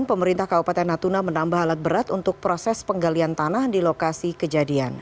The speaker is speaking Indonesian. pemerintah kabupaten natuna menambah alat berat untuk proses penggalian tanah di lokasi kejadian